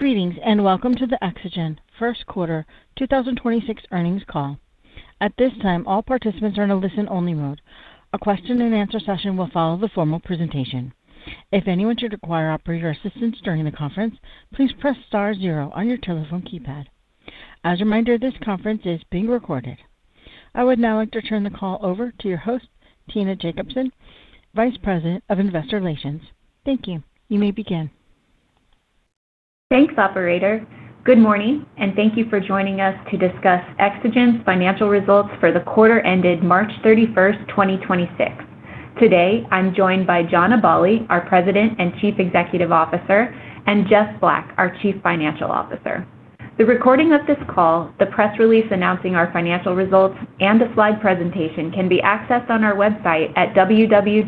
Greetings, and welcome to the Exagen first quarter 2026 earnings call. At this time, all participants are in a listen-only mode. A question and answer session will follow the formal presentation. If anyone should require operator assistance during the conference, please press star zero on your telephone keypad. As a reminder, this conference is being recorded. I would now like to turn the call over to your host, Tina Jacobsen, Vice President of Investor Relations. Thank you. You may begin. Thanks, operator. Good morning, and thank you for joining us to discuss Exagen's financial results for the quarter ended March 31, 2026. Today, I'm joined by John Aballi, our President and Chief Executive Officer, and Jeff Black, our Chief Financial Officer. The recording of this call, the press release announcing our financial results, and the slide presentation can be accessed on our website at www.exagen.com.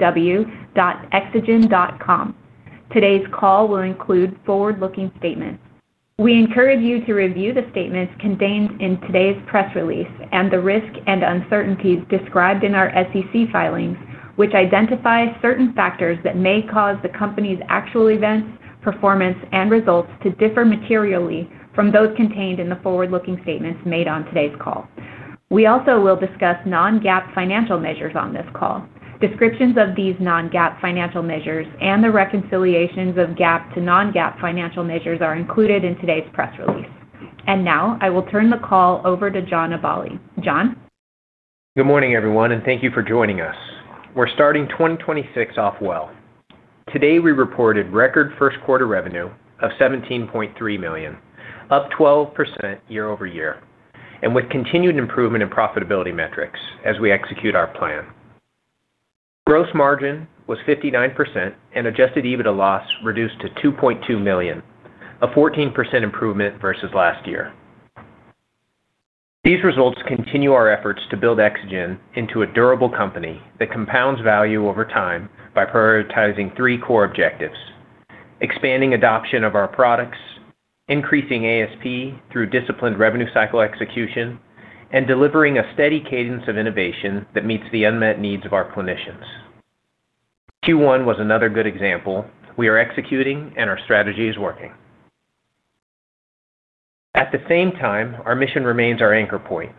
Today's call will include forward-looking statements. We encourage you to review the statements contained in today's press release and the risks and uncertainties described in our SEC filings, which identify certain factors that may cause the company's actual events, performance, and results to differ materially from those contained in the forward-looking statements made on today's call. We also will discuss non-GAAP financial measures on this call. Descriptions of these non-GAAP financial measures and the reconciliations of GAAP to non-GAAP financial measures are included in today's press release. Now, I will turn the call over to John Aballi. John? Good morning, everyone, and thank you for joining us. We're starting 2026 off well. Today, we reported record first quarter revenue of $17.3 million, up 12% year-over-year, with continued improvement in profitability metrics as we execute our plan. Gross margin was 59% and adjusted EBITDA loss reduced to $2.2 million, a 14% improvement versus last year. These results continue our efforts to build Exagen into a durable company that compounds value over time by prioritizing three core objectives: expanding adoption of our products, increasing ASP through disciplined revenue cycle execution, and delivering a steady cadence of innovation that meets the unmet needs of our clinicians. Q1 was another good example. We are executing and our strategy is working. At the same time, our mission remains our anchor point.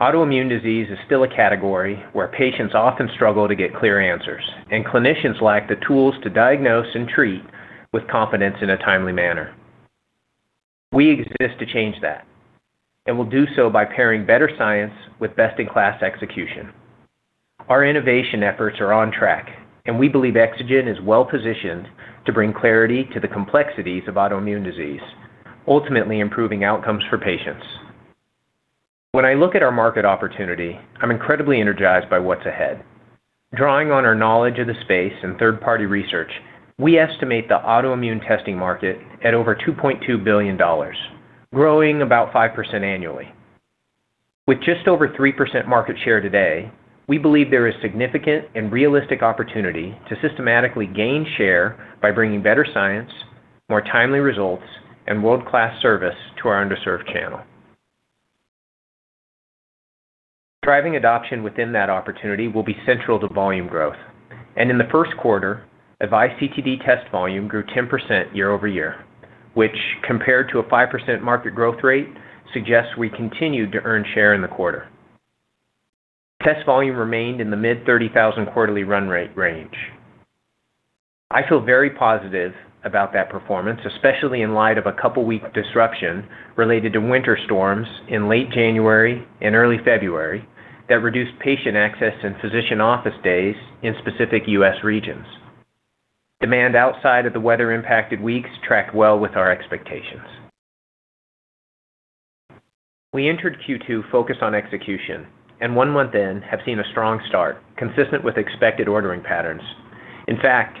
Autoimmune disease is still a category where patients often struggle to get clear answers and clinicians lack the tools to diagnose and treat with confidence in a timely manner. We exist to change that. We'll do so by pairing better science with best-in-class execution. Our innovation efforts are on track. We believe Exagen is well-positioned to bring clarity to the complexities of autoimmune disease, ultimately improving outcomes for patients. When I look at our market opportunity, I'm incredibly energized by what's ahead. Drawing on our knowledge of the space and third-party research, we estimate the autoimmune testing market at over $2.2 billion, growing about 5% annually. With just over 3% market share today, we believe there is significant and realistic opportunity to systematically gain share by bringing better science, more timely results, and world-class service to our underserved channel. Driving adoption within that opportunity will be central to volume growth. In the first quarter, AVISE CTD test volume grew 10% year-over-year, which compared to a 5% market growth rate suggests we continued to earn share in the quarter. Test volume remained in the mid 30,000 quarterly run rate range. I feel very positive about that performance, especially in light of a couple-week disruption related to winter storms in late January and early February that reduced patient access and physician office days in specific U.S. regions. Demand outside of the weather-impacted weeks tracked well with our expectations. We entered Q2 focused on execution, and one month in have seen a strong start consistent with expected ordering patterns. In fact,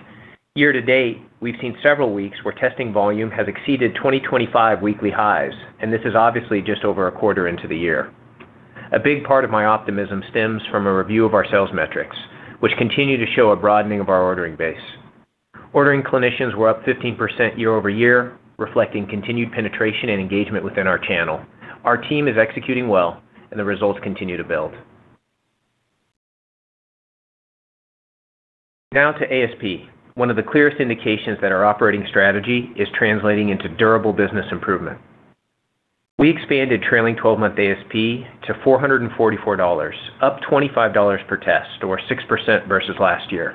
year-to-date, we've seen several weeks where testing volume has exceeded 2025 weekly highs. This is obviously just over a quarter into the year. A big part of my optimism stems from a review of our sales metrics, which continue to show a broadening of our ordering base. Ordering clinicians were up 15% year-over-year, reflecting continued penetration and engagement within our channel. Our team is executing well. The results continue to build. Now to ASP, one of the clearest indications that our operating strategy is translating into durable business improvement. We expanded trailing twelve-month ASP to $444, up $25 per test or 6% versus last year.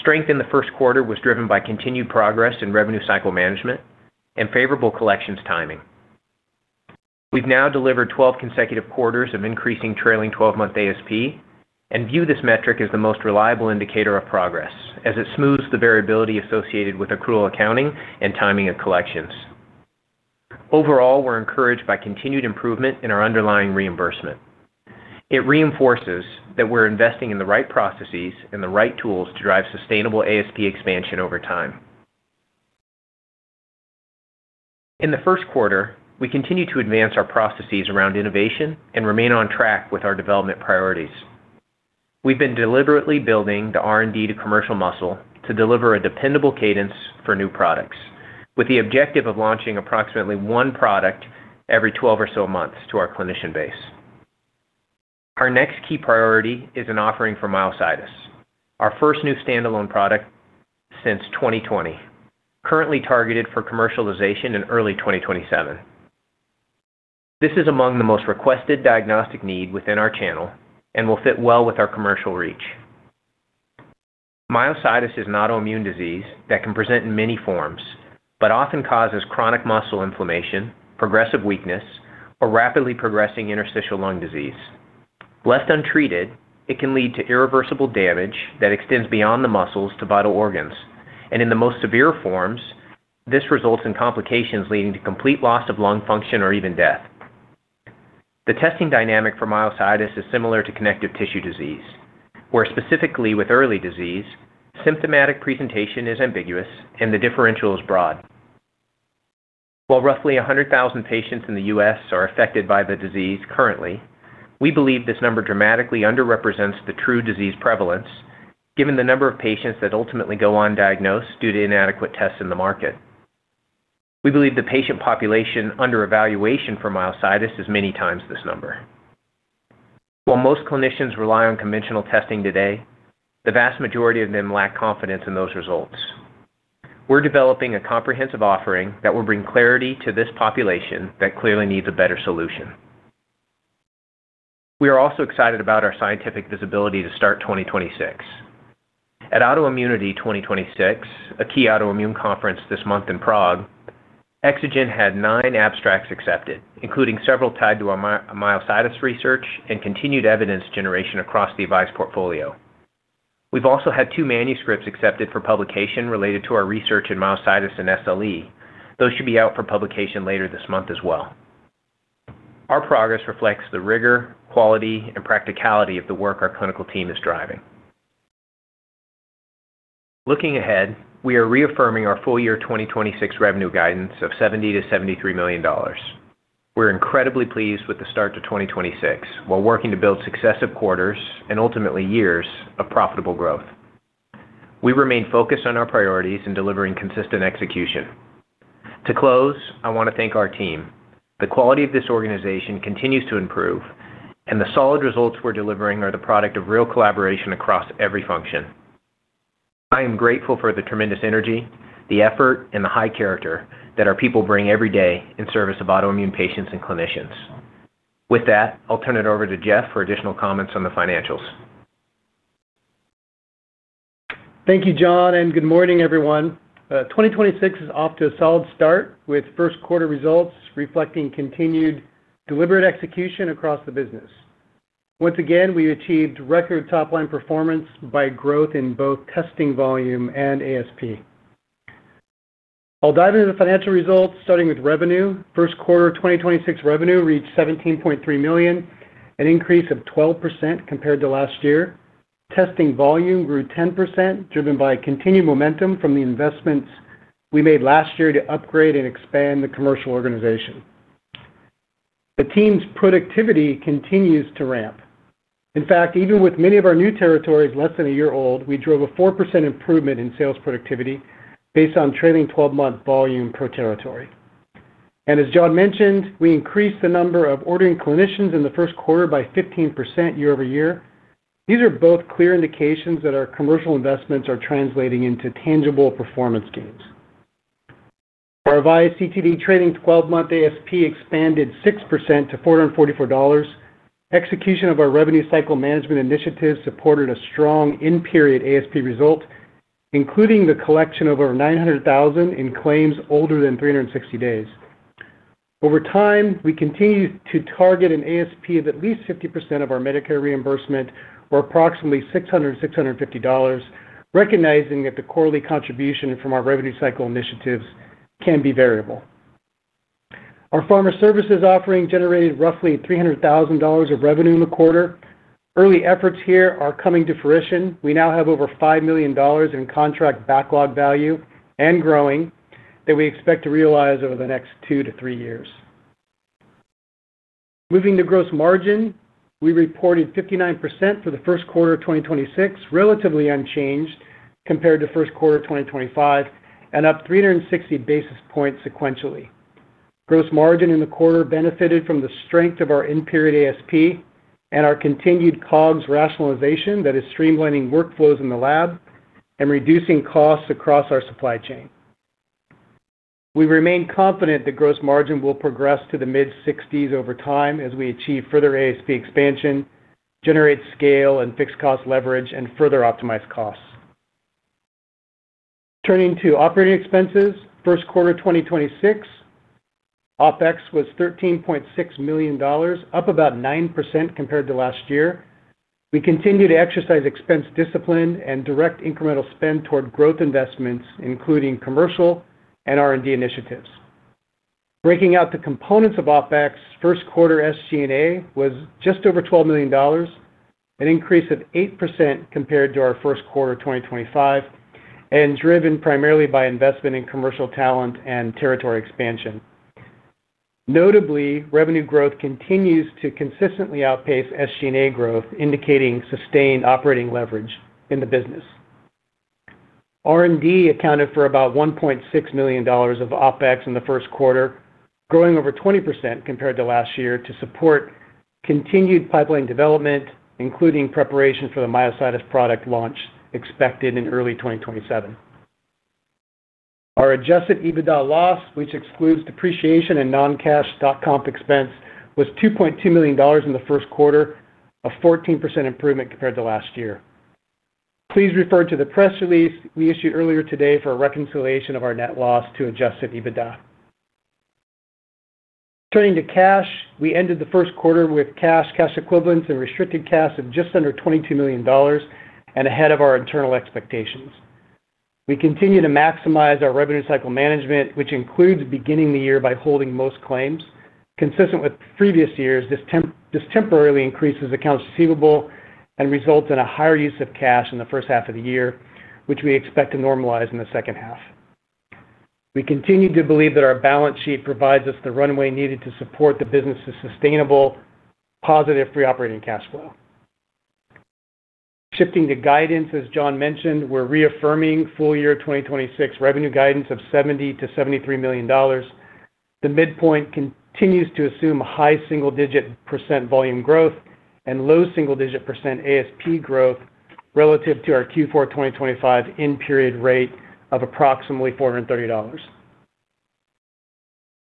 Strength in the first quarter was driven by continued progress in revenue cycle management and favorable collections timing. We've now delivered 12 consecutive quarters of increasing trailing 12-month ASP and view this metric as the most reliable indicator of progress as it smooths the variability associated with accrual accounting and timing of collections. Overall, we're encouraged by continued improvement in our underlying reimbursement. It reinforces that we're investing in the right processes and the right tools to drive sustainable ASP expansion over time. In the first quarter, we continue to advance our processes around innovation and remain on track with our development priorities. We've been deliberately building the R&D to commercial muscle to deliver a dependable cadence for new products with the objective of launching approximately one product every 12 or so months to our clinician base. Our next key priority is an offering for myositis, our first new standalone product since 2020, currently targeted for commercialization in early 2027. This is among the most requested diagnostic need within our channel and will fit well with our commercial reach. Myositis is an autoimmune disease that can present in many forms, but often causes chronic muscle inflammation, progressive weakness, or rapidly progressing interstitial lung disease. Left untreated, it can lead to irreversible damage that extends beyond the muscles to vital organs, and in the most severe forms, this results in complications leading to complete loss of lung function or even death. The testing dynamic for myositis is similar to connective tissue disease, where specifically with early disease, symptomatic presentation is ambiguous and the differential is broad. While roughly 100,000 patients in the U.S. are affected by the disease currently, we believe this number dramatically underrepresents the true disease prevalence given the number of patients that ultimately go undiagnosed due to inadequate tests in the market. We believe the patient population under evaluation for myositis is many times this number. While most clinicians rely on conventional testing today, the vast majority of them lack confidence in those results. We're developing a comprehensive offering that will bring clarity to this population that clearly needs a better solution. We are also excited about our scientific visibility to start 2026. At Autoimmunity 2026, a key autoimmune conference this month in Prague, Exagen had nine abstracts accepted, including several tied to our myositis research and continued evidence generation across the AVISE portfolio. We've also had two manuscripts accepted for publication related to our research in myositis and SLE. Those should be out for publication later this month as well. Our progress reflects the rigor, quality, and practicality of the work our clinical team is driving. Looking ahead, we are reaffirming our full-year 2026 revenue guidance of $70 million-$73 million. We're incredibly pleased with the start to 2026, while working to build successive quarters and ultimately years of profitable growth. We remain focused on our priorities in delivering consistent execution. To close, I want to thank our team. The quality of this organization continues to improve, and the solid results we're delivering are the product of real collaboration across every function. I am grateful for the tremendous energy, the effort, and the high character that our people bring every day in service of autoimmune patients and clinicians. With that, I'll turn it over to Jeff for additional comments on the financials. Thank you, John, and good morning, everyone. 2026 is off to a solid start with first quarter results reflecting continued deliberate execution across the business. Once again, we achieved record top-line performance by growth in both testing volume and ASP. I'll dive into the financial results starting with revenue. First quarter 2026 revenue reached $17.3 million, an increase of 12% compared to last year. Testing volume grew 10%, driven by continued momentum from the investments we made last year to upgrade and expand the commercial organization. The team's productivity continues to ramp. In fact, even with many of our new territories less than a year old, we drove a 4% improvement in sales productivity based on trailing 12-month volume per territory. As John mentioned, we increased the number of ordering clinicians in the first quarter by 15% year-over-year. These are both clear indications that our commercial investments are translating into tangible performance gains. Our AVISE CTD trailing twelve-month ASP expanded 6% to $444. Execution of our revenue cycle management initiatives supported a strong in-period ASP result, including the collection of over $900,000 in claims older than 360 days. Over time, we continue to target an ASP of at least 50% of our Medicare reimbursement, or approximately $600-$650, recognizing that the quarterly contribution from our revenue cycle initiatives can be variable. Our Pharma Services offering generated roughly $300,000 of revenue in the quarter. Early efforts here are coming to fruition. We now have over $5 million in contract backlog value and growing that we expect to realize over the next 2-3 years. Moving to gross margin, we reported 59% for the first quarter of 2026, relatively unchanged compared to first quarter 2025 and up 360 basis points sequentially. Gross margin in the quarter benefited from the strength of our in-period ASP and our continued COGS rationalization that is streamlining workflows in the lab and reducing costs across our supply chain. We remain confident that gross margin will progress to the mid-60s over time as we achieve further ASP expansion, generate scale and fixed cost leverage, and further optimize costs. Turning to operating expenses, first quarter 2026, OPEX was $13.6 million, up about 9% compared to last year. We continue to exercise expense discipline and direct incremental spend toward growth investments, including commercial and R&D initiatives. Breaking out the components of OPEX, first quarter SG&A was just over $12 million, an increase of 8% compared to our first quarter 2025, and driven primarily by investment in commercial talent and territory expansion. Notably, revenue growth continues to consistently outpace SG&A growth, indicating sustained operating leverage in the business. R&D accounted for about $1.6 million of OPEX in the first quarter, growing over 20% compared to last year to support continued pipeline development, including preparation for the myositis product launch expected in early 2027. Our adjusted EBITDA loss, which excludes depreciation and non-cash stock comp expense, was $2.2 million in the first quarter, a 14% improvement compared to last year. Please refer to the press release we issued earlier today for a reconciliation of our net loss to adjusted EBITDA. Turning to cash, we ended the first quarter with cash equivalents, and restricted cash of just under $22 million and ahead of our internal expectations. We continue to maximize our revenue cycle management, which includes beginning the year by holding most claims. Consistent with previous years, this temporarily increases accounts receivable and results in a higher use of cash in the first half of the year, which we expect to normalize in the second half. We continue to believe that our balance sheet provides us the runway needed to support the business' sustainable positive free operating cash flow. Shifting to guidance, as John mentioned, we're reaffirming full year 2026 revenue guidance of $70 million-$73 million. The midpoint continues to assume high single-digit percent volume growth and low single-digit percent ASP growth relative to our Q4 2025 in-period rate of approximately $430.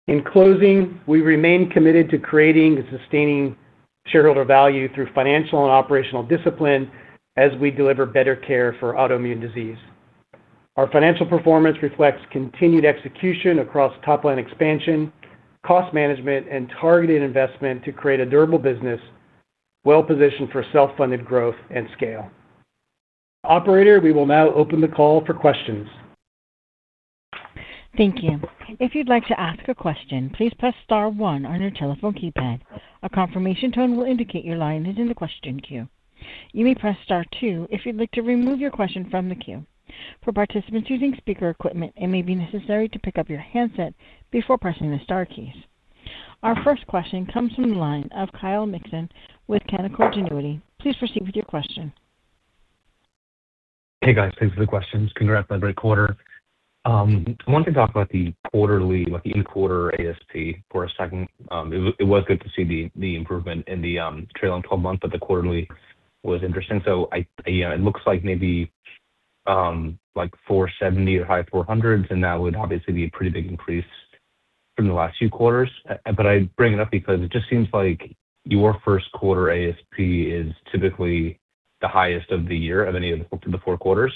In closing, we remain committed to creating and sustaining shareholder value through financial and operational discipline as we deliver better care for autoimmune disease. Our financial performance reflects continued execution across top line expansion, cost management, and targeted investment to create a durable business well-positioned for self-funded growth and scale. Operator, we will now open the call for questions. Thank you. If you would like to ask a question, please press star one on your telephone keypad. A confirmation tone will indicate your line is in the question queue. You may press star two if you would like to remove your question from the queue. For participants using speaker equipment it may be necessary to pick up your handset before pressing the star keys. Our first question comes from the line of Kyle Mikson with Canaccord Genuity. Please proceed with your question. Hey, guys. Thanks for the questions. Congrats on a great quarter. I wanted to talk about the in-quarter ASP for a second. It was good to see the improvement in the trailing 12-month, but the quarterly was interesting. I, you know, it looks like maybe like $470 or high $400s, and that would obviously be a pretty big increase from the last few quarters. I bring it up because it just seems like your first quarter ASP is typically the highest of the year from the 4 quarters.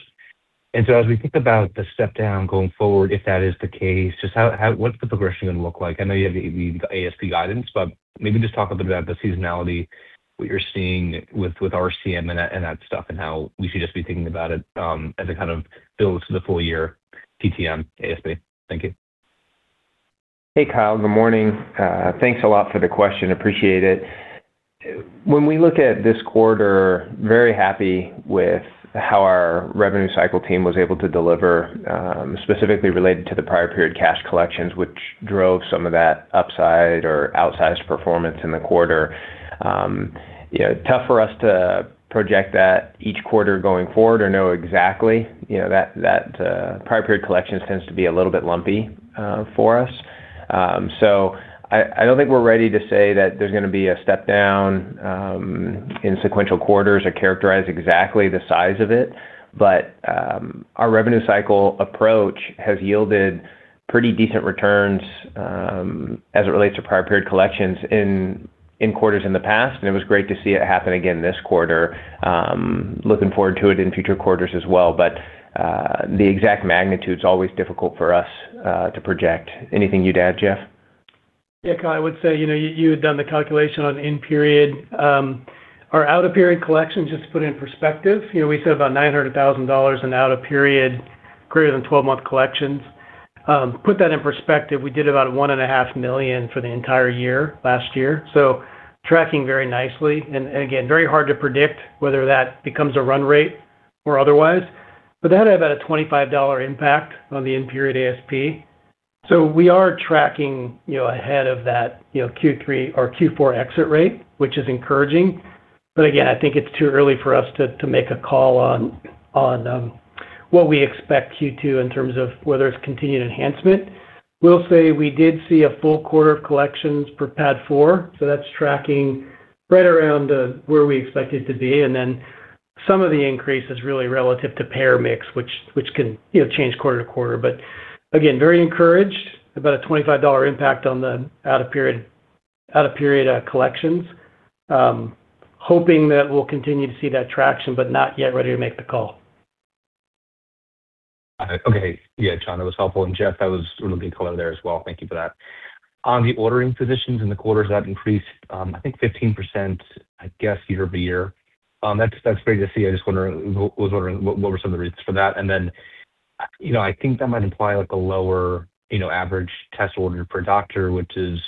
As we think about the step down going forward, if that is the case, just how what's the progression going to look like? I know you have the ASP guidance. Maybe just talk a little bit about the seasonality, what you're seeing with RCM and that stuff, and how we should just be thinking about it, as it kind of builds to the full year TTM ASP. Thank you. Hey, Kyle. Good morning. Thanks a lot for the question. Appreciate it. When we look at this quarter, very happy with how our revenue cycle team was able to deliver, specifically related to the prior period cash collections, which drove some of that upside or outsized performance in the quarter. You know, tough for us to project that each quarter going forward or know exactly, you know, that prior period collections tends to be a little bit lumpy for us. I don't think we're ready to say that there's going to be a step down in sequential quarters or characterize exactly the size of it. Our revenue cycle approach has yielded pretty decent returns as it relates to prior period collections in quarters in the past. It was great to see it happen again this quarter. Looking forward to it in future quarters as well. The exact magnitude is always difficult for us to project. Anything you would add, Jeff? Kyle, I would say, you know, you had done the calculation on in-period. Our out-of-period collections, just to put it in perspective, you know, we said about $900,000 in out-of-period greater than 12-month collections. Put that in perspective, we did about $1.5 million for the entire year last year. Tracking very nicely, and again, very hard to predict whether that becomes a run rate or otherwise. That had about a $25 impact on the in-period ASP. We are tracking, you know, ahead of that, you know, Q3 or Q4 exit rate, which is encouraging. Again, I think it's too early for us to make a call on what we expect Q2 in terms of whether it's continued enhancement. I will say we did see a full quarter of collections for PAD4, that's tracking right around where we expect it to be. Some of the increase is really relative to payer mix, which can, you know, change quarter to quarter. Again, very encouraged. About a $25 impact on the out-of-period collections. Hoping that we'll continue to see that traction, not yet ready to make the call. Okay. Yeah, John, that was helpful. Jeff, that was really cool in there as well. Thank you for that. On the ordering physicians in the quarters that increased, I think 15%, I guess, year-over-year, that's great to see. I was wondering what were some of the reasons for that. You know, I think that might imply like a lower, you know, average test order per doctor, which is,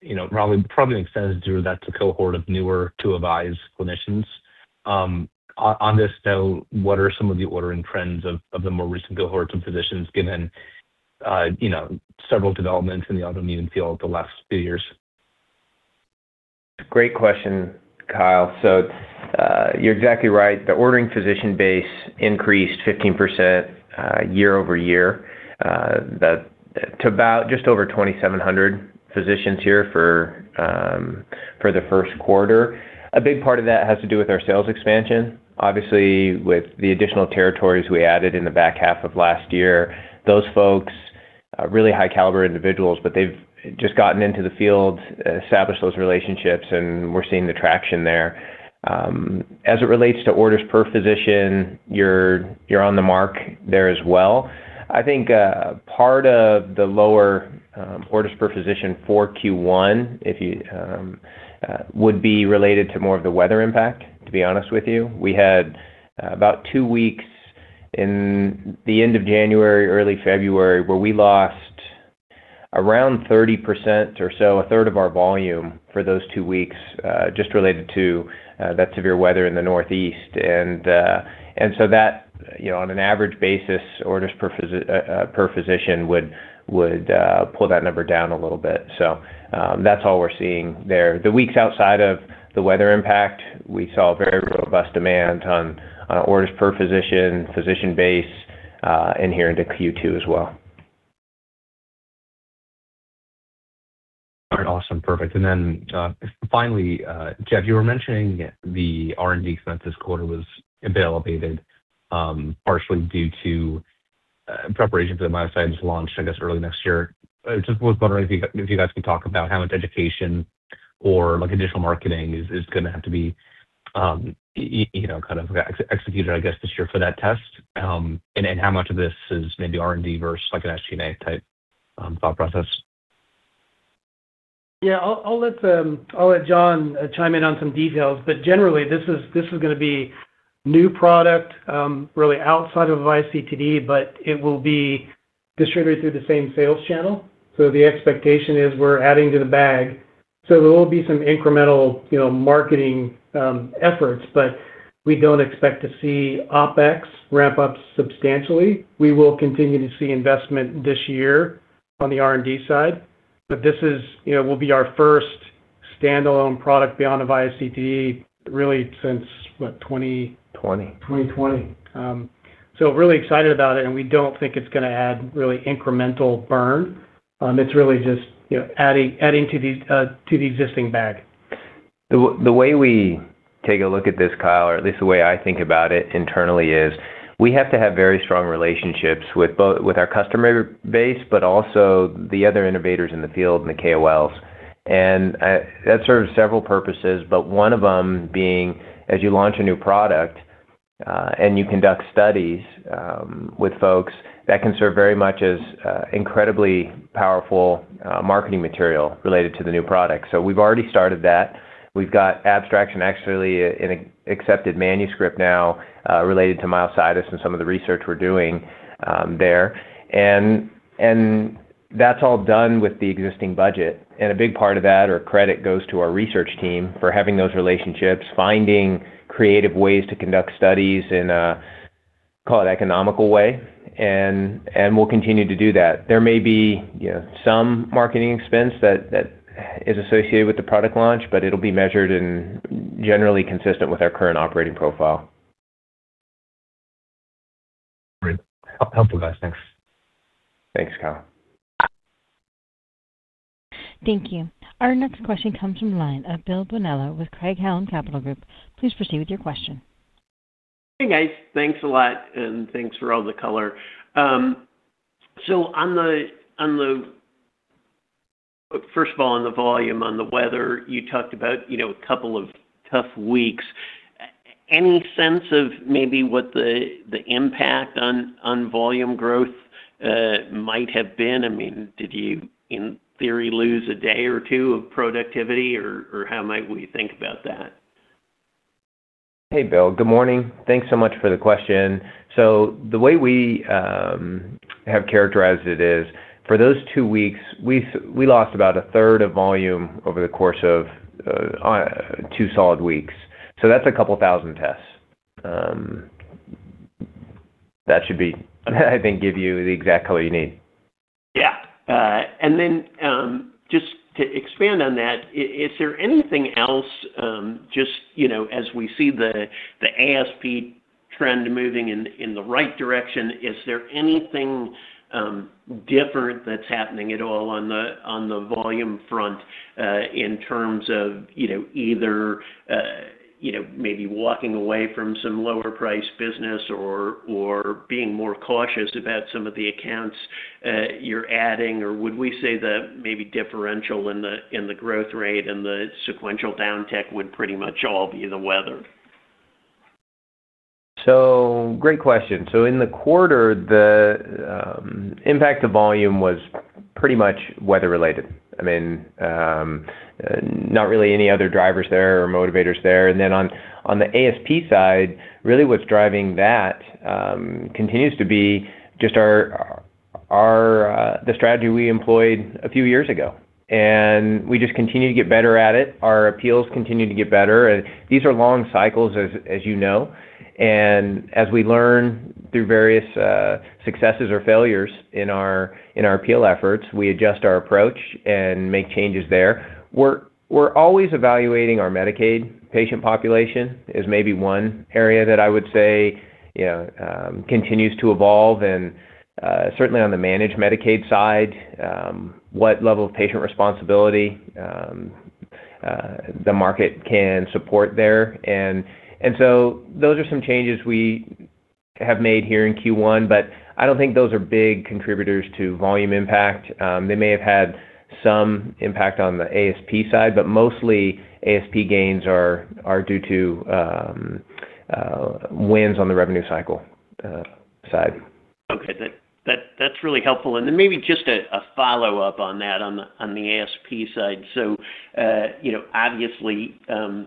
you know, probably an extension due to that cohort of newer to-AVISE clinicians. On this note, what are some of the ordering trends of the more recent cohorts of physicians given, you know, several developments in the autoimmune field the last few years? Great question, Kyle. You're exactly right. The ordering physician base increased 15% year-over-year to about just over 2,700 physicians here for the first quarter. A big part of that has to do with our sales expansion. Obviously, with the additional territories we added in the back half of last year, those folks are really high caliber individuals. They've just gotten into the field, established those relationships, and we're seeing the traction there. As it relates to orders per physician, you're on the mark there as well. I think part of the lower orders per physician for Q1, if you would be related to more of the weather impact, to be honest with you. We had about two weeks in the end of January, early February, where we lost around 30% or so, a third of our volume for those two weeks, just related to that severe weather in the Northeast. That, you know, on an average basis, orders per physician would pull that number down a little bit. That's all we're seeing there. The weeks outside of the weather impact, we saw very robust demand on orders per physician base, and here into Q2 as well. All right, awesome. Perfect. Finally, Jeff, you were mentioning the R&D expense this quarter was elevated, partially due to preparations that myositis launched, I guess, early next year. Just was wondering if you guys can talk about how much education or like additional marketing is gonna have to be, you know, kind of executed, I guess, this year for that test, and how much of this is maybe R&D versus like an SG&A type thought process. Yeah, I'll let John chime in on some details. Generally, this is gonna be new product, really outside of AVISE CTD, but it will be distributed through the same sales channel. The expectation is we're adding to the bag. There will be some incremental, you know, marketing efforts, but we don't expect to see OPEX ramp up substantially. We will continue to see investment this year on the R&D side. This is, you know, will be our first standalone product beyond of AVISE CTD really since, what, twenty-? Twenty -20. Really excited about it. We don't think it's gonna add really incremental burn. It's really just, you know, adding to the existing bag. The way we take a look at this, Kyle, or at least the way I think about it internally is, we have to have very strong relationships with both with our customer base, but also the other innovators in the field and the KOLs. That serves several purposes, but one of them being as you launch a new product, and you conduct studies with folks, that can serve very much as incredibly powerful marketing material related to the new product. We've already started that. We've got abstraction, actually an accepted manuscript now, related to myositis and some of the research we're doing there. That's all done with the existing budget. A big part of that or credit goes to our research team for having those relationships, finding creative ways to conduct studies in a, call it economical way. We'll continue to do that. There may be, you know, some marketing expense that is associated with the product launch, but it'll be measured and generally consistent with our current operating profile. Great. Helpful, guys. Thanks. Thanks, Kyle. Thank you. Our next question comes from the line of Bill Bonello with Craig-Hallum Capital Group. Please proceed with your question. Hey, guys. Thanks a lot, and thanks for all the color. First of all, on the volume, on the weather, you talked about, you know, a couple of tough weeks. Any sense of maybe what the impact on volume growth might have been? I mean, did you, in theory, lose a day or two of productivity or how might we think about that? Hey, Bill. Good morning. Thanks so much for the question. The way we have characterized it is, for those two weeks, we lost about a third of volume over the course of 2 solid weeks. That's a couple thousand tests. That should, I think, give you the exact color you need. Yeah. Just to expand on that, is there anything else, you know, as we see the ASP trend moving in the right direction, is there anything different that's happening at all on the volume front, in terms of, you know, either, you know, maybe walking away from some lower priced business or being more cautious about some of the accounts, you're adding? Would we say that maybe differential in the growth rate and the sequential down tick would pretty much all be the weather? Great question. In the quarter, the impact to volume was pretty much weather-related. I mean, not really any other drivers there or motivators there. Then on the ASP side, really what's driving that continues to be just the strategy we employed a few years ago, and we just continue to get better at it. Our appeals continue to get better, and these are long cycles as you know. As we learn through various successes or failures in our appeal efforts, we adjust our approach and make changes there. We're always evaluating our Medicaid patient population is maybe one area that I would say, you know, continues to evolve and certainly on the managed Medicaid side, what level of patient responsibility the market can support there. Those are some changes we have made here in Q1, but I don't think those are big contributors to volume impact. They may have had some impact on the ASP side, but mostly ASP gains are due to wins on the revenue cycle side. Okay. That's really helpful. Then maybe just a follow-up on that on the ASP side. You know, obviously, you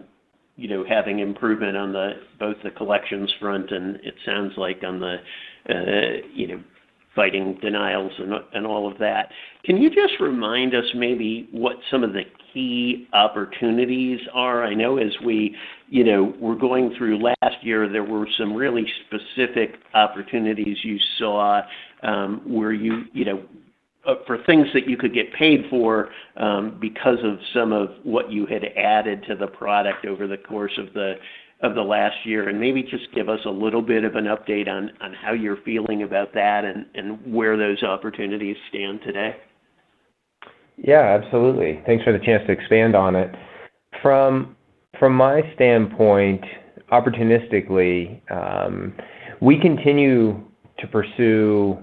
know, having improvement on both the collections front and it sounds like on the, you know, fighting denials and all of that, can you just remind us maybe what some of the key opportunities are? I know as we, you know, were going through last year, there were some really specific opportunities you saw, where you know, for things that you could get paid for, because of some of what you had added to the product over the course of the last year. Maybe just give us a little bit of an update on how you're feeling about that and where those opportunities stand today. Yeah, absolutely. Thanks for the chance to expand on it. From my standpoint, opportunistically, we continue to pursue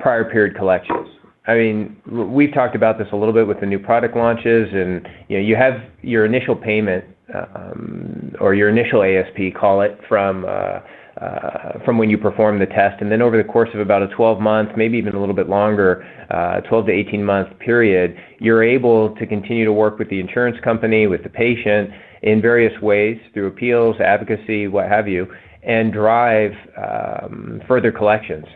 prior period collections. I mean, we've talked about this a little bit with the new product launches and, you know, you have your initial payment or your initial ASP call it from when you perform the test. Over the course of about a 12 months, maybe even a little bit longer, 12-18 month period, you're able to continue to work with the insurance company, with the patient in various ways, through appeals, advocacy, what have you, and drive further collections.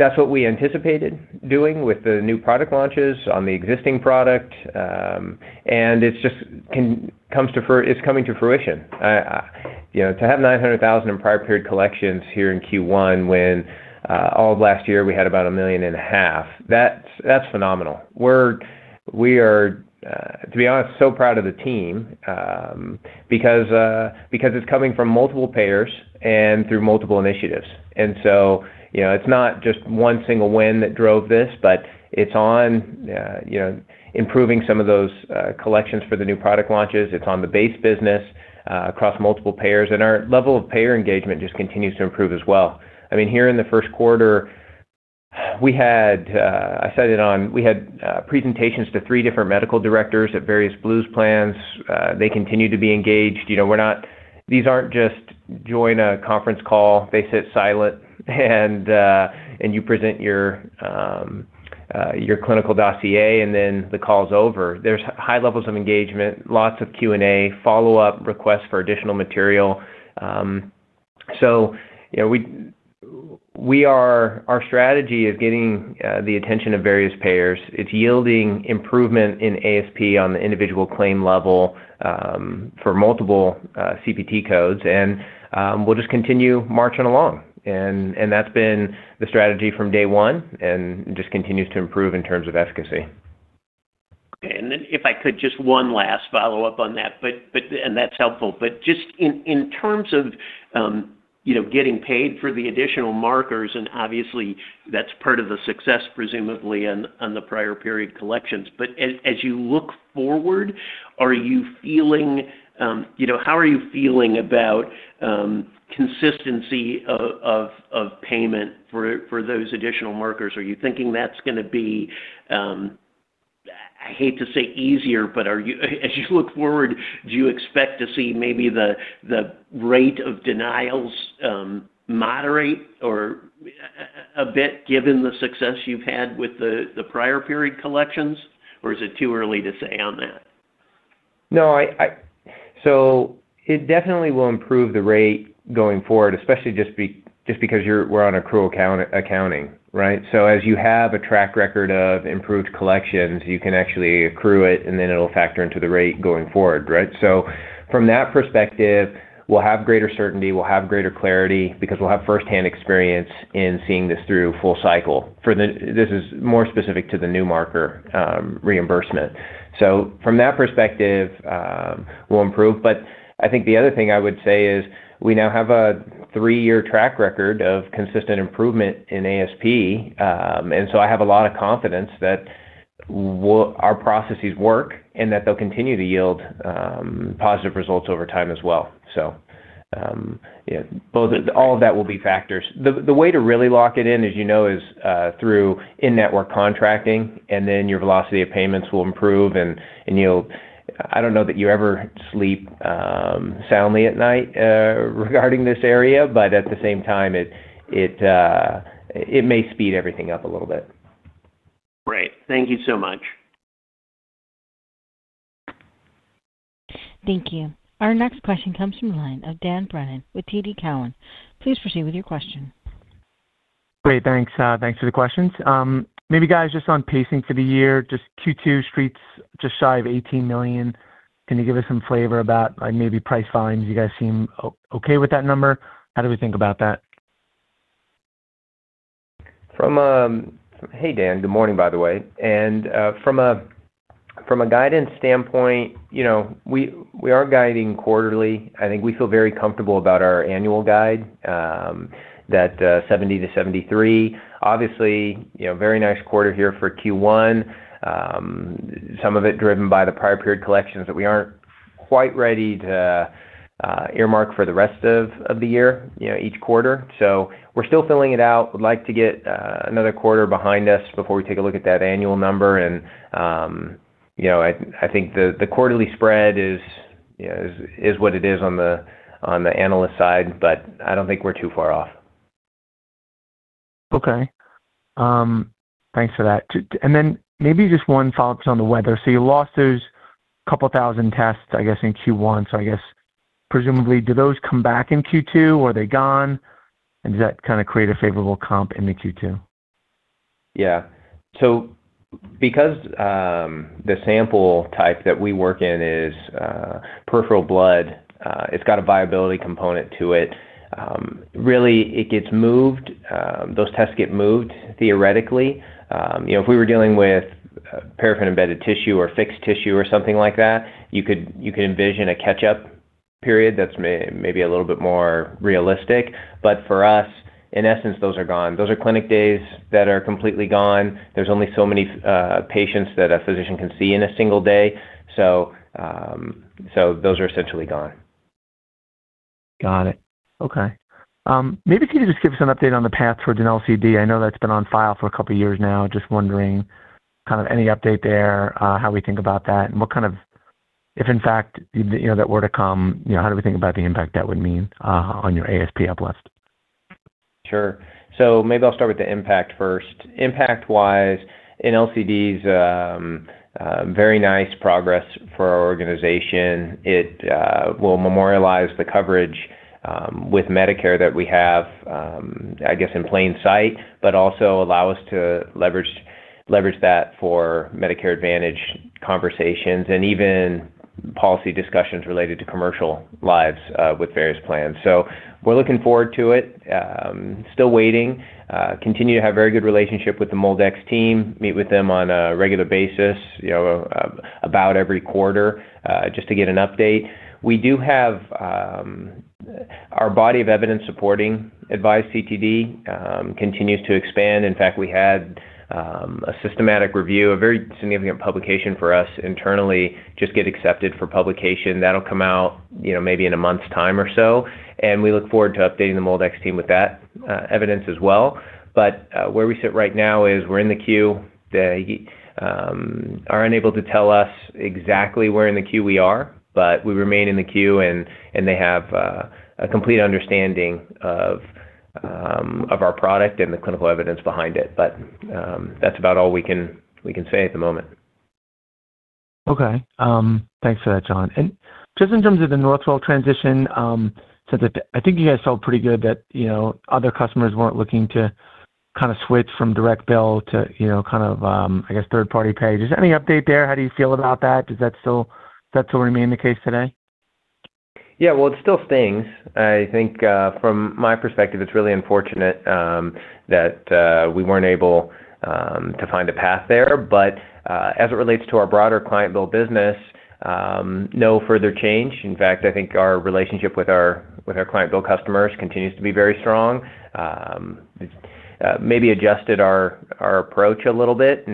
That's what we anticipated doing with the new product launches on the existing product, and it's just coming to fruition. You know, to have $900,000 in prior period collections here in Q1 when all of last year we had about $1.5 million, that's phenomenal. We are, to be honest, so proud of the team, because it's coming from multiple payers and through multiple initiatives. You know, it's not just one single win that drove this, but it's on, you know, improving some of those collections for the new product launches. It's on the base business across multiple payers, our level of payer engagement just continues to improve as well. I mean, here in the first quarter, we had presentations to three different medical directors at various Blues plans. They continue to be engaged. You know, these aren't just join a conference call, they sit silent, and you present your clinical dossier, and then the call's over. There's high levels of engagement, lots of Q&A, follow-up requests for additional material. You know, our strategy is getting the attention of various payers. It's yielding improvement in ASP on the individual claim level, for multiple CPT codes. We'll just continue marching along and that's been the strategy from day one and just continues to improve in terms of efficacy. Okay. If I could just one last follow-up on that, but that's helpful. Just in terms of, you know, getting paid for the additional markers, and obviously that's part of the success presumably on the prior period collections. As you look forward, are you feeling, you know, how are you feeling about consistency of payment for those additional markers? Are you thinking that's gonna be, I hate to say easier, but as you look forward, do you expect to see maybe the rate of denials moderate or a bit given the success you've had with the prior period collections? Or is it too early to say on that? No, it definitely will improve the rate going forward, especially just because we're on accrual accounting. As you have a track record of improved collections, you can actually accrue it, and then it'll factor into the rate going forward. From that perspective, we'll have greater certainty, we'll have greater clarity because we'll have firsthand experience in seeing this through full cycle. This is more specific to the new marker reimbursement. From that perspective, we'll improve. I think the other thing I would say is we now have a three-year track record of consistent improvement in ASP. I have a lot of confidence that our processes work and that they'll continue to yield positive results over time as well. Yeah, all of that will be factors. The way to really lock it in, as you know, is through in-network contracting, and then your velocity of payments will improve and you'll I don't know that you ever sleep soundly at night regarding this area, but at the same time, it may speed everything up a little bit. Great. Thank you so much. Thank you. Our next question comes from the line of Dan Brennan with TD Cowen. Please proceed with your question. Great. Thanks, thanks for the questions. Maybe guys just on pacing for the year, just Q2 streets just shy of $18 million. Can you give us some flavor about, like maybe price volumes? You guys seem okay with that number. How do we think about that? Hey, Dan. Good morning, by the way. From a guidance standpoint, you know, we are guiding quarterly. I think we feel very comfortable about our annual guide that 70-73. Obviously, you know, very nice quarter here for Q1. Some of it driven by the prior period collections that we aren't quite ready to earmark for the rest of the year, you know, each quarter. We're still filling it out. We'd like to get another quarter behind us before we take a look at that annual number. I think the quarterly spread is what it is on the analyst side, but I don't think we're too far off. Okay. Thanks for that. Then maybe just one follow-up on the weather. You lost those couple thousand tests, I guess, in Q1. I guess presumably, do those come back in Q2 or are they gone? Does that kinda create a favorable comp into Q2? Yeah. Because the sample type that we work in is peripheral blood, it's got a viability component to it. Really, it gets moved, those tests get moved theoretically. You know, if we were dealing with paraffin-embedded tissue or fixed tissue or something like that, you could envision a catch-up period that's maybe a little bit more realistic. For us, in essence, those are gone. Those are clinic days that are completely gone. There's only so many patients that a physician can see in a single day. Those are essentially gone. Got it. Okay. Maybe can you just give us an update on the path towards an LCD? I know that's been on file for a couple of years now. Just wondering kind of any update there, how we think about that and what kind of if in fact, you know, that were to come, how do we think about the impact that would mean on your ASP uplift? Sure. Maybe I'll start with the impact first. Impact-wise, an LCD is very nice progress for our organization. It will memorialize the coverage with Medicare that we have, I guess in plain sight, but also allow us to leverage that for Medicare Advantage conversations and even policy discussions related to commercial lives with various plans. We're looking forward to it. Still waiting. Continue to have very good relationship with the MolDX team, meet with them on a regular basis, you know, about every quarter just to get an update. We do have our body of evidence supporting AVISE CTD continues to expand. In fact, we had a systematic review, a very significant publication for us internally, just get accepted for publication. That'll come out, you know, maybe in a month's time or so. We look forward to updating the MolDX team with that evidence as well. Where we sit right now is we're in the queue. They are unable to tell us exactly where in the queue we are, but we remain in the queue and they have a complete understanding of our product and the clinical evidence behind it. That's about all we can say at the moment. Okay. Thanks for that, John. Just in terms of the Northwell Health transition, I think you guys felt pretty good that, you know, other customers weren't looking to kinda switch from direct bill to, you know, kind of, I guess, third-party pay. Just any update there? How do you feel about that? Does that still remain the case today? Yeah. Well, it still stings. I think, from my perspective, it's really unfortunate that we weren't able to find a path there. As it relates to our broader client bill business, no further change. In fact, I think our relationship with our client bill customers continues to be very strong. Maybe adjusted our approach a little bit,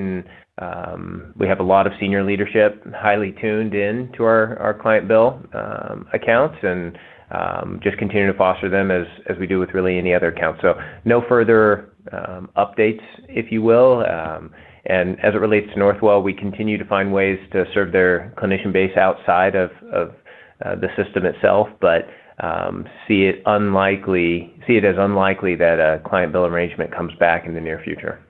we have a lot of senior leadership highly tuned in to our client bill accounts and just continue to foster them as we do with really any other account. No further updates, if you will. As it relates to Northwell, we continue to find ways to serve their clinician base outside of the system itself, but see it as unlikely that a client bill arrangement comes back in the near future.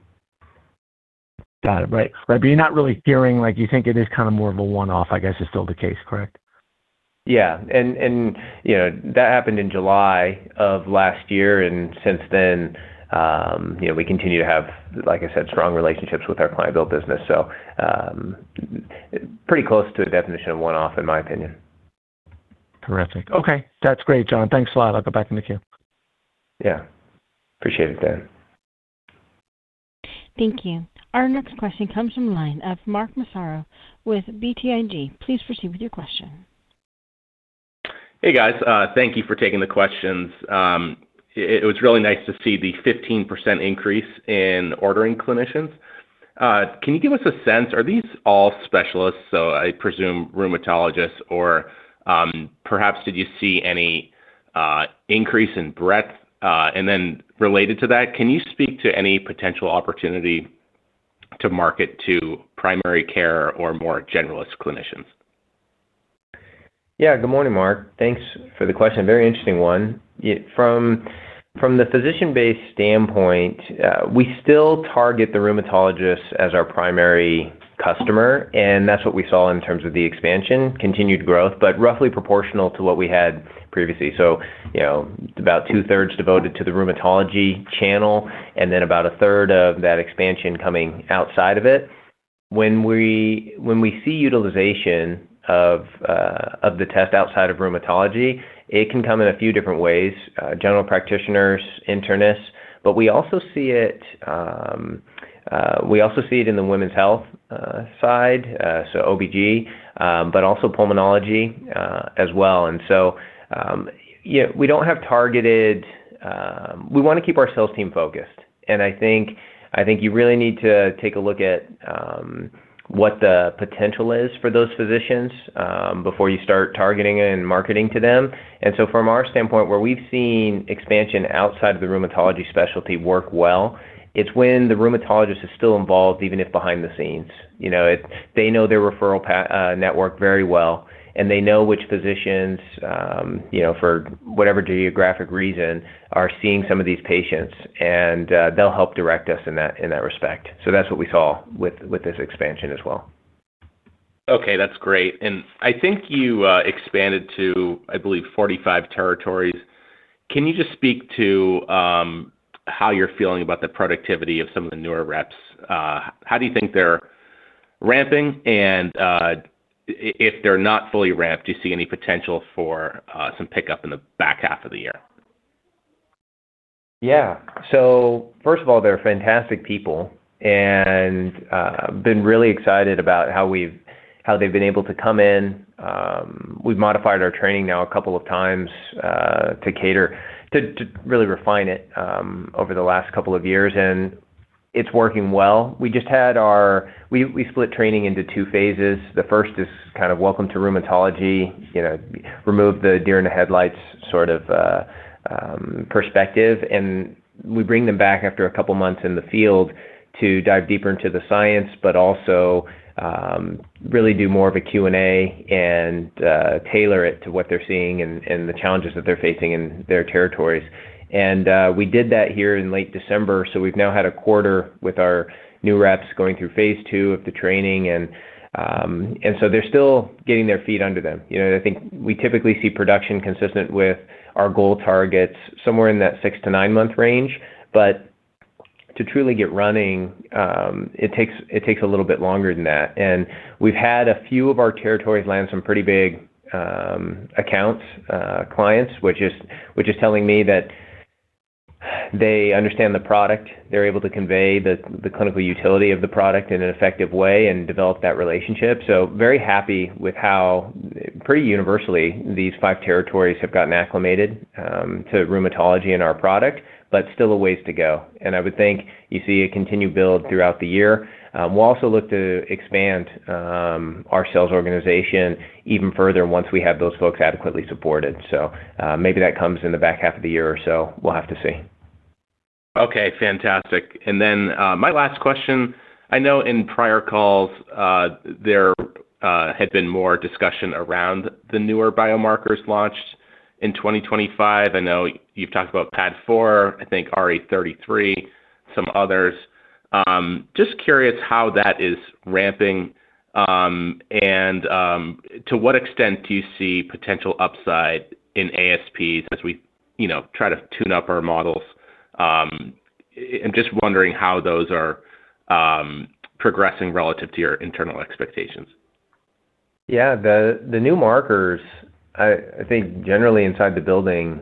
Got it. Right. You're not really hearing, like you think it is kinda more of a one-off, I guess, is still the case, correct? Yeah. You know, that happened in July of last year. Since then, you know, we continue to have, like I said, strong relationships with our client bill business. Pretty close to the definition of one-off in my opinion. Terrific. Okay. That's great, John. Thanks a lot. I'll go back in the queue. Yeah. Appreciate it, Dan. Thank you. Our next question comes from the line of Mark Massaro with BTIG. Please proceed with your question. Hey, guys. Thank you for taking the questions. It was really nice to see the 15% increase in ordering clinicians. Can you give us a sense, are these all specialists, so I presume rheumatologists? Perhaps, did you see any increase in breadth? Related to that, can you speak to any potential opportunity to market to primary care or more generalist clinicians? Yeah. Good morning, Mark. Thanks for the question. Very interesting one. From the physician-based standpoint, we still target the rheumatologists as our primary customer, that's what we saw in terms of the expansion, continued growth, but roughly proportional to what we had previously. You know, about 2/3 devoted to the rheumatology channel, then about 1/3 of that expansion coming outside of it. When we see utilization of the test outside of rheumatology, it can come in a few different ways, general practitioners, internists. We also see it in the women's health side, so OB-GYN, also pulmonology as well. We don't have targeted, we wanna keep our sales team focused, and I think you really need to take a look at what the potential is for those physicians before you start targeting and marketing to them. From our standpoint, where we've seen expansion outside of the rheumatology specialty work well, it's when the rheumatologist is still involved, even if behind the scenes. You know, they know their referral network very well, and they know which physicians, for whatever geographic reason, are seeing some of these patients and they'll help direct us in that, in that respect. That's what we saw with this expansion as well. Okay, that's great. I think you expanded to, I believe, 45 territories. Can you just speak to how you're feeling about the productivity of some of the newer reps? How do you think they're ramping? If they're not fully ramped, do you see any potential for some pickup in the back half of the year? First of all, they're fantastic people and been really excited about how they've been able to come in. We've modified our training now a couple of times to cater, to really refine it over the last couple of years, and it's working well. We just had our training split into two phases. The first is welcome to Rheumatology. You know, remove the deer in the headlights perspective. We bring them back after a couple months in the field to dive deeper into the science, but also really do more of a Q&A and tailor it to what they're seeing and the challenges that they're facing in their territories. We did that here in late December, so we've now had a quarter with our new reps going through phase II of the training. They're still getting their feet under them. You know, I think we typically see production consistent with our goal targets somewhere in that 6-9 month range. To truly get running, it takes a little bit longer than that. We've had a few of our territories land some pretty big accounts, clients, which is telling me that they understand the product, they're able to convey the clinical utility of the product in an effective way and develop that relationship. Very happy with how pretty universally these five territories have gotten acclimated to rheumatology and our product, still a ways to go. I would think you see a continued build throughout the year. We'll also look to expand our sales organization even further once we have those folks adequately supported. Maybe that comes in the back half of the year or so, we'll have to see. Okay, fantastic. My last question, I know in prior calls, there had been more discussion around the newer biomarkers launched in 2025. I know you've talked about PAD-4, I think RA33, some others. Just curious how that is ramping, to what extent do you see potential upside in ASPs as we, you know, try to tune up our models? Just wondering how those are progressing relative to your internal expectations. Yeah. The new markers, I think generally inside the building,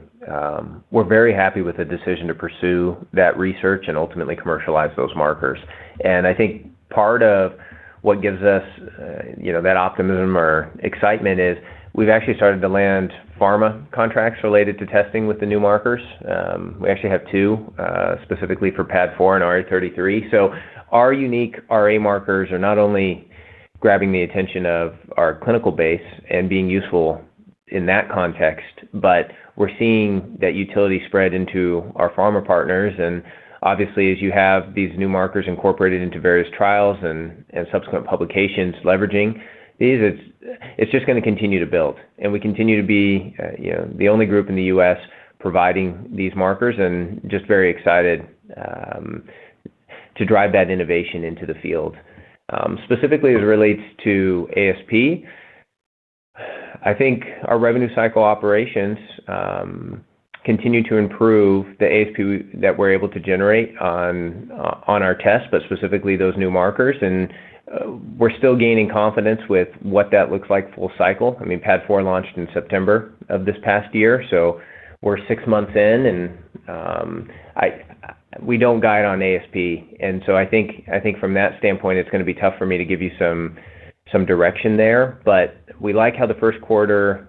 we're very happy with the decision to pursue that research and ultimately commercialize those markers. I think part of what gives us, you know, that optimism or excitement is we've actually started to land pharma contracts related to testing with the new markers. We actually have two, specifically for anti-PAD4 and RA33. Our unique RA markers are not only grabbing the attention of our clinical base and being useful in that context, but we're seeing that utility spread into our pharma partners. Obviously, as you have these new markers incorporated into various trials and subsequent publications leveraging these, it's just gonna continue to build. We continue to be, you know, the only group in the U.S. providing these markers, just very excited to drive that innovation into the field. Specifically as it relates to ASP, I think our revenue cycle operations continue to improve the ASP that we're able to generate on our tests, but specifically those new markers. We're still gaining confidence with what that looks like full cycle. I mean, PAD4 launched in September of this past year, so we're six months in, we don't guide on ASP, so I think from that standpoint, it's gonna be tough for me to give you some direction there. We like how the first quarter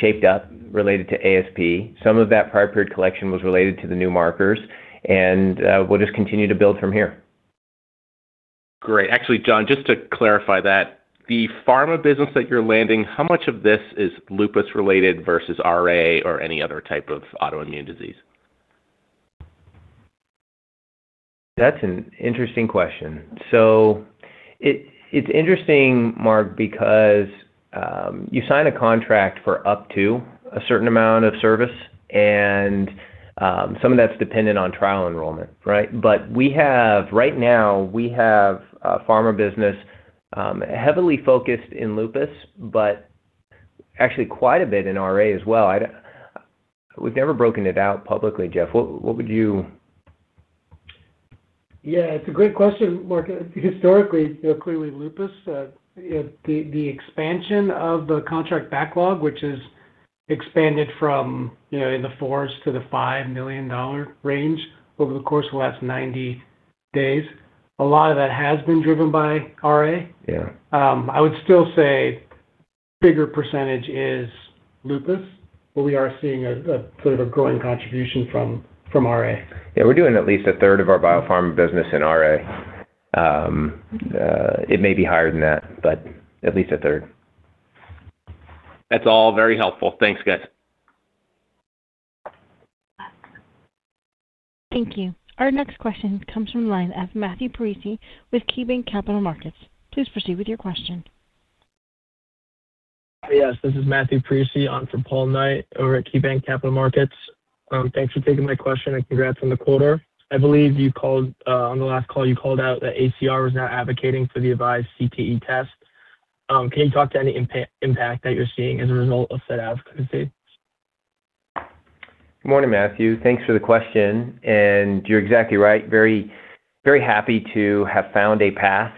shaped up related to ASP. Some of that prior period collection was related to the new markers, and, we'll just continue to build from here. Great. Actually, John, just to clarify that, the Pharma business that you're landing, how much of this is lupus-related versus RA or any other type of autoimmune disease? That's an interesting question. It's interesting, Mark, because you sign a contract for up to a certain amount of service and some of that's dependent on trial enrollment, right? Right now, we have a pharma business, heavily focused in lupus, but actually quite a bit in RA as well. We've never broken it out publicly. Jeff, what would you? Yeah, it's a great question, Mark. Historically, you know, clearly lupus, you know, the expansion of the contract backlog, which has expanded from, you know, in the $4 million to $5 million range over the course of the last 90 days. A lot of that has been driven by RA. Yeah. I would still say bigger percentage is lupus, but we are seeing a sort of a growing contribution from RA. Yeah, we're doing at least a third of our biopharma business in RA. It may be higher than that, but at least a third. That's all very helpful. Thanks, guys. Thank you. Our next question comes from the line of Matthew Parisi with KeyBanc Capital Markets. Please proceed with your question. Yes, this is Matthew Parisi on for Paul Knight over at KeyBanc Capital Markets. Thanks for taking my question, and congrats on the quarter. I believe you called on the last call, you called out that ACR was now advocating for the AVISE CTD test. Can you talk to any impact that you're seeing as a result of said advocacy? Good morning, Matthew. Thanks for the question, you're exactly right. Very, very happy to have found a path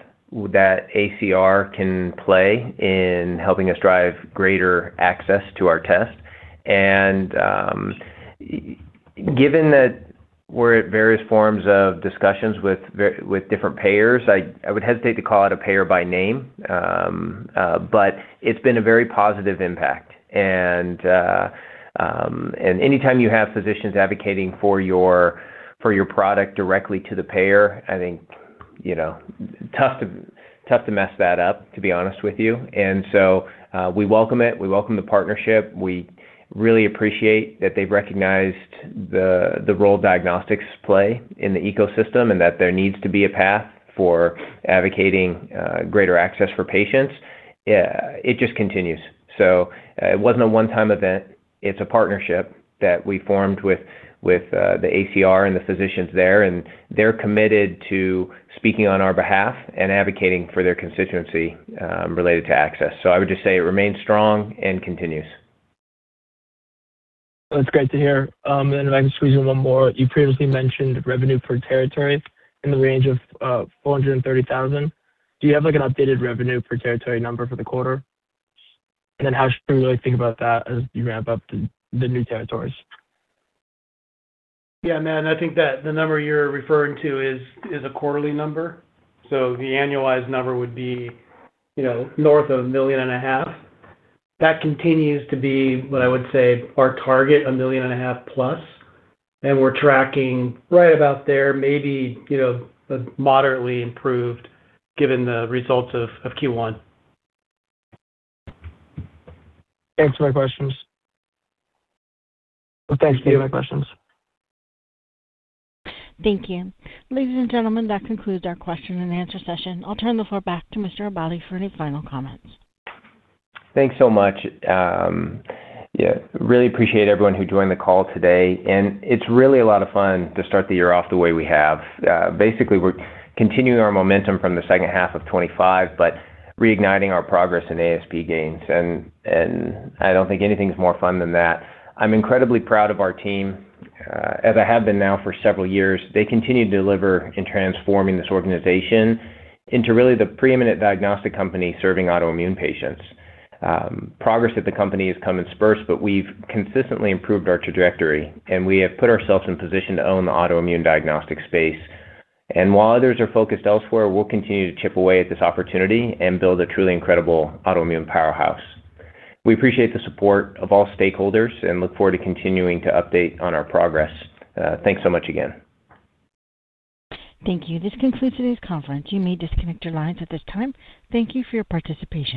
that ACR can play in helping us drive greater access to our test. Given that we're at various forms of discussions with different payers, I would hesitate to call out a payer by name. It's been a very positive impact. Anytime you have physicians advocating for your product directly to the payer, I think, you know, tough to mess that up, to be honest with you. We welcome it. We welcome the partnership. We really appreciate that they've recognized the role diagnostics play in the ecosystem, and that there needs to be a path for advocating greater access for patients. It just continues. It wasn't a one-time event. It's a partnership that we formed with the ACR and the physicians there, and they're committed to speaking on our behalf and advocating for their constituency related to access. I would just say it remains strong and continues. That's great to hear. If I can squeeze in one more. You previously mentioned revenue per territory in the range of $430,000. Do you have, like, an updated revenue per territory number for the quarter? How should we really think about that as you ramp up the new territories? Yeah, man, I think that the number you're referring to is a quarterly number. The annualized number would be, you know, north of a million and a half. That continues to be what I would say our target, a million and a half plus. We're tracking right about there, maybe, you know, moderately improved given the results of Q1. Thanks for my questions. Well, thanks for the other questions. Thank you. Ladies and gentlemen, that concludes our question and answer session. I'll turn the floor back to Mr. Aballi for any final comments. Thanks so much. Yeah, really appreciate everyone who joined the call today, it's really a lot of fun to start the year off the way we have. Basically, we're continuing our momentum from the second half of 25, reigniting our progress in ASP gains, and I don't think anything's more fun than that. I'm incredibly proud of our team, as I have been now for several years. They continue to deliver in transforming this organization into really the preeminent diagnostic company serving autoimmune patients. Progress at the company has come in spurs, we've consistently improved our trajectory, we have put ourselves in position to own the autoimmune diagnostic space. While others are focused elsewhere, we'll continue to chip away at this opportunity and build a truly incredible autoimmune powerhouse. We appreciate the support of all stakeholders and look forward to continuing to update on our progress. Thanks so much again. Thank you. This concludes today's conference. You may disconnect your lines at this time. Thank you for your participation.